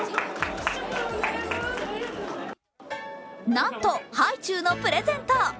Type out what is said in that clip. なんと、ハイチュウのプレゼント。